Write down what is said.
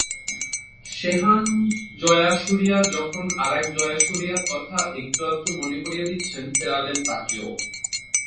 শেহান জয়াসুরিয়া যখন আরেক জয়াসুরিয়ার কথা একটু-আধটু মনে করিয়ে দিচ্ছেন, ফেরালেন তাঁকেও।